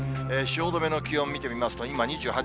汐留の気温見てみますと、今２８．９度。